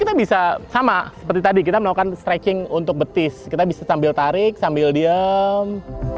kita bisa sama seperti tadi kita melakukan stretching untuk betis kita bisa sambil tarik sambil diem